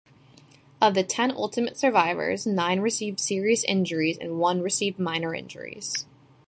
Of the ten ultimate survivors, nine received serious injuries and one received minor injuries.